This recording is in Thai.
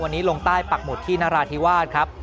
วันนี้ลงใต้ปักหมุดที่นราธิวาสครับ